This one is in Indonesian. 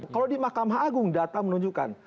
kalau di mahkamah agung data menunjukkan